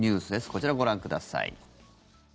こちらをご覧ください。